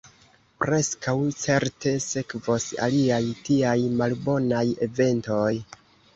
Preskaŭ certe sekvos aliaj tiaj malbonaj eventoj.